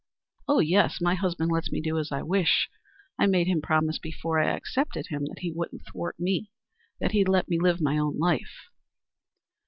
"Oh, yes. My husband lets me do as I wish. I made him promise before I accepted him that he wouldn't thwart me; that he'd let me live my own life."